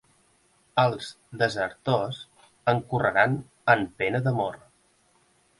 Els desertors encorreran en pena de mort.